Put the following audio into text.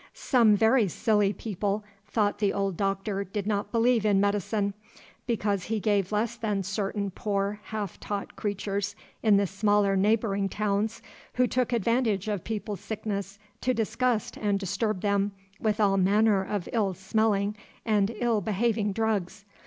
Some very silly people thought the old Doctor did not believe in medicine, because he gave less than certain poor half taught creatures in the smaller neighboring towns, who took advantage of people's sickness to disgust and disturb them with all manner of ill smelling and ill behaving drugs.